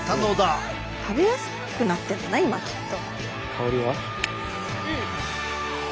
食べやすくなってんじゃない今きっと。